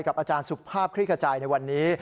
อาจารย์สุภาพคลิกขจายในวันนี้